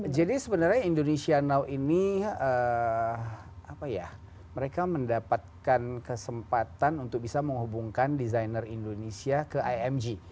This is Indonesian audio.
jadi sebenarnya indonesia now ini mereka mendapatkan kesempatan untuk bisa menghubungkan desainer indonesia ke img